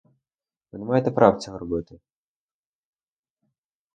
Ви не маєте права цього робити.